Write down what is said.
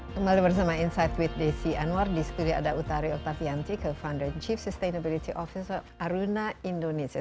kembali bersama insight with desi anwar di studio ada utari oktavianti co founder chief sustainability officer aruna indonesia